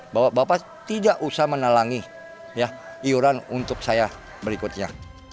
bahwa bapak tidak usah menelangi iuran untuk saya berikutnya